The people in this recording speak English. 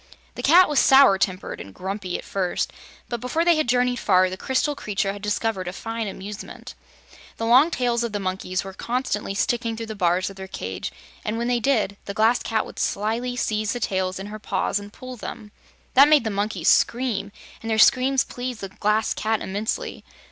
The Cat was sour tempered and grumpy, at first, but before they had journeyed far, the crystal creature had discovered a fine amusement. The long tails of the monkeys were constantly sticking through the bars of their cage, and when they did, the Glass Cat would slyly seize the tails in her paws and pull them. That made the monkeys scream, and their screams pleased the Glass Cat immensely.